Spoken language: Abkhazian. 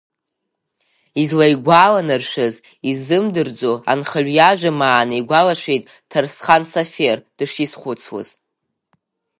Излаигәаланаршәаз изымдырӡо, анхаҩ иажәа-маана игәалашәеит Ҭарсхан Сафер дышизхәыцуаз.